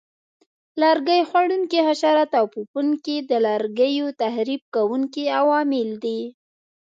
لرګي خوړونکي حشرات او پوپنکي د لرګیو تخریب کوونکي عوامل دي.